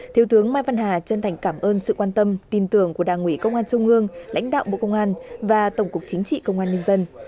thiếu tướng mai văn hà chân thành cảm ơn sự quan tâm tin tưởng của đảng ủy công an trung ương lãnh đạo bộ công an và tổng cục chính trị công an nhân dân